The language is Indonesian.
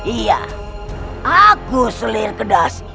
iya aku selir kedas